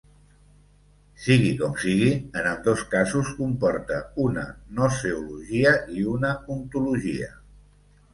Sigui com sigui, en ambdós casos comporta una gnoseologia i una ontologia.